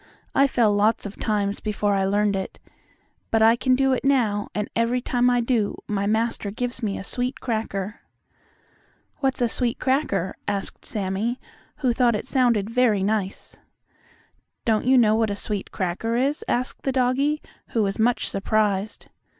I fell lots of times before I learned it. But I can do it now, and every time I do my master gives me a sweet cracker." "What's a sweet cracker?" asked Sammie, who thought it sounded very nice. "Don't you know what a sweet cracker is?" asked the doggie, who was much surprised.